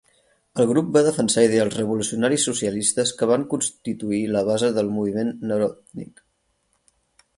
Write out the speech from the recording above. El grup va defensar ideals revolucionaris socialistes que van constituir la base del moviment Narodnik.